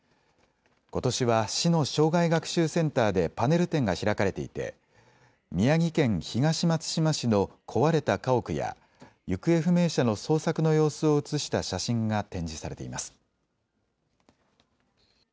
ことしは市の生涯学習センターでパネル展が開かれていて宮城県東松島市の壊れた家屋や行方不明者の捜索の様子を写した写真が展示されています。